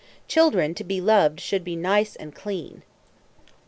Children, to be loved, should be nice and clean.